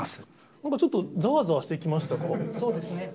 なんかちょっとざわざわしてそうですね。